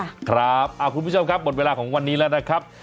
คุณผู้ชมครับหมดเวลาของวันนี้แล้วนะครับ